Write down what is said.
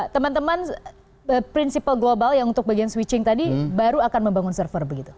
teman teman prinsipal global yang untuk bagian switching tadi baru akan membangun server begitu